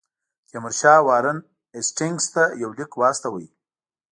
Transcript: تیمورشاه وارن هیسټینګز ته یو لیک واستاوه.